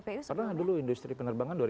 pernah dulu industri penerbangan dua ribu sembilan